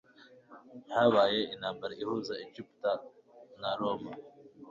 habaye intambara ihuza Egypte na roma